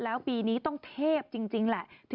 สวัสดีครับ